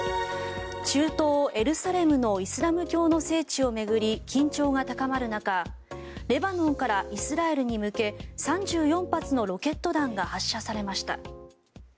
中東エルサレムのイスラム教の聖地を巡り緊張が高まる中レバノンからイスラエルに向け３４発のロケット弾が発射されました。